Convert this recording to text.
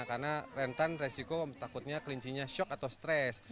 karena rentan resiko takutnya kelincinya shock atau stress